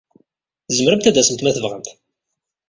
Tzemremt ad d-tasemt ma tebɣamt.